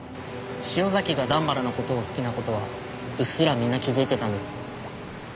潮崎が段原の事を好きな事はうっすらみんな気づいてたんです。